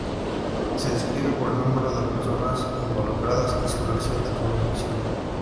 Se describe por el número de personas involucradas y su relación de conexión.